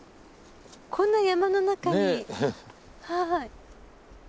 こんな山の中に。